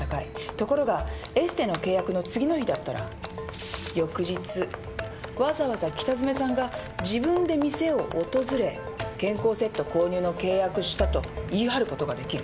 ところがエステの契約の次の日だったら翌日わざわざ北詰さんが自分で店を訪れ健康セット購入の契約したと言い張ることができる。